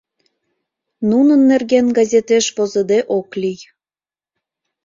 Нунын нерген газетеш возыде ок лий.